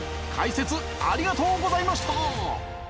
解説ありがとうございました！